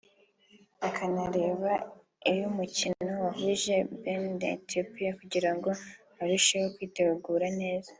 akanareba ay’umukino wahuje Benin na Ethiopia kugira ngo arusheho kwitegura neza